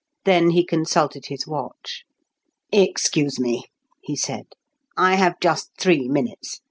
Then he consulted his watch. "Excuse me," he said. "I have just three minutes.